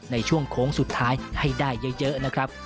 ในช่วงโค้งสุดท้ายให้ได้เยอะนะครับ